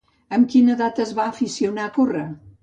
Amb quina edat es va aficionar a córrer?